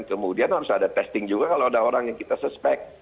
kemudian harus ada testing juga kalau ada orang yang kita suspek